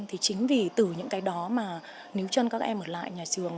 thì chính vì từ những cái đó mà nếu chân các em ở lại nhà trường